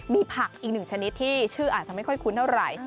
มีผักอีกหนึ่งชนิดที่ชื่ออาจจะไม่ค่อยคุ้นเท่าไหร่